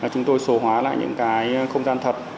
chúng tôi số hóa lại những không gian thật